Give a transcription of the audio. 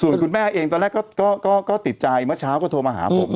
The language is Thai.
ส่วนคุณแม่เองตอนแรกก็ติดใจเมื่อเช้าก็โทรมาหาผม